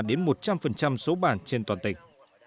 đến một trăm linh số bản trên toàn tỉnh